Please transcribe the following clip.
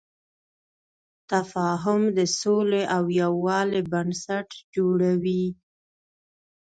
تفاهم د سولې او یووالي بنسټ جوړوي.